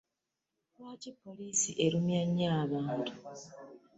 Lwaki poliisi erumya nnyo abantu?